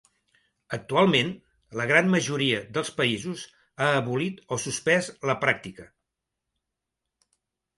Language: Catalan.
Actualment, la gran majoria dels països ha abolit o suspès la pràctica.